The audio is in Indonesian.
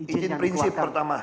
ijin prinsip pertama